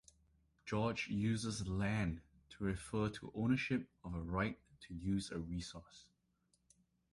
George uses "land" to refer to ownership of a right to use a resource.